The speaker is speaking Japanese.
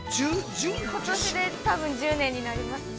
◆ことしで多分１０年になりますね。